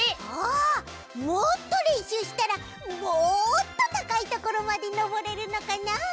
あもっとれんしゅうしたらもっとたかいところまでのぼれるのかなあ？